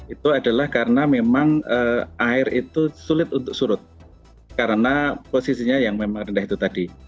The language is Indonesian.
itu adalah karena memang air itu sulit untuk surut karena posisinya yang memang rendah itu tadi